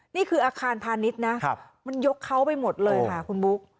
นี่คืออาคารพาณิชย์นะมันยกเขาไปหมดเลยค่ะคุณบุ๊ค